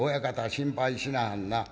心配しなはんな。